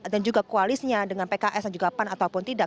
dan juga koalisnya dengan pks dan juga pan ataupun tidak